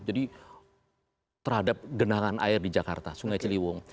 jadi terhadap genangan air di jakarta sungai ciliwung